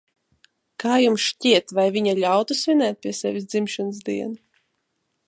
Kā jums šķiet, vai viņa ļautu svinēt pie sevis dzimšanas dienu?